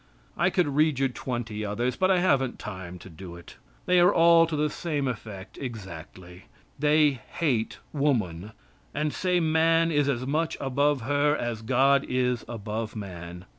I could read you twenty others, but I haven't time to do it. They are all to the same effect exactly. They hate woman, and say man is as much above her as God is above man.